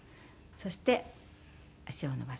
そして足を伸ばす。